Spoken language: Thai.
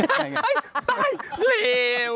เห้ยตายเลว